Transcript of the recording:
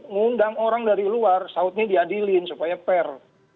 ngundang orang dari luar sahutnya diadilin supaya pair